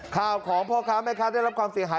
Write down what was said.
ข้าวของพ่อค้าแม่ค้าได้รับความเสียหาย